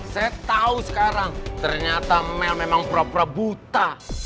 saya tahu sekarang ternyata mel memang pura pura buta